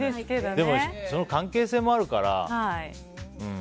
でも、その関係性もあるから。